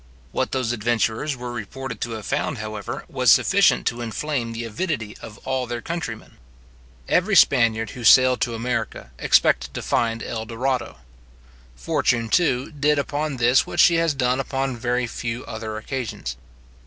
What those adventurers were reported to have found, however, was sufficient to inflame the avidity of all their countrymen. Every Spaniard who sailed to America expected to find an El Dorado. Fortune, too, did upon this what she has done upon very few other occasions.